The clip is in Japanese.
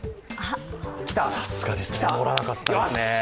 さすがです、乗らなかったですね。